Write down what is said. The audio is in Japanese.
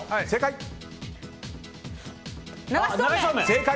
正解。